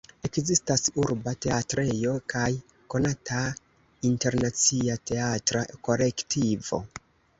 Ekzistas urba teatrejo, kaj konata internacia teatra kolektivo.